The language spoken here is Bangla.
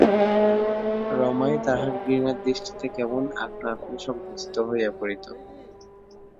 রমাই তাহার ঘৃণার দৃষ্টিতে কেমন আপনা-আপনি সংকুচিত হইয়া পড়িত।